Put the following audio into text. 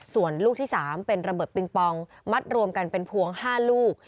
ส่วนลูกที่๓เป็นระเบิดปิงปองมัดรวมกันเป็นพวง๕ลูก